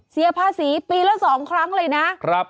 เสียภาษีปีละ๒ครั้งเลยนะ